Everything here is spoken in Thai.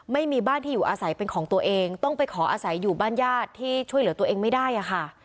ไม่มีบ้านที่อยู่อาศัยเป็นของตัวเองต้องไปขออาศัยอยู่บ้านญาติที่ช่วยเหลือตัวเองไม่ได้อะค่ะ